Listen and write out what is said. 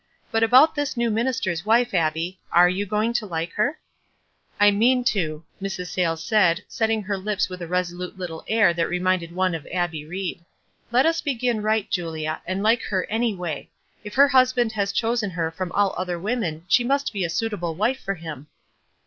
But about this new ministers wife, Abbie. Are you going to like her?" "I mean to," Mrs. Sayles said, setting her lips with a resolute little air that reminded one of Abbie Ried. "Let us begin right, Julia, and like her any way. If her husband has chosen her from all other women she must be a suitable wife for him."